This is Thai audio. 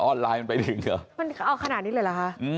ออนไลน์ไปถึงหรอเป็นขนาดนี้เลยหรอคะ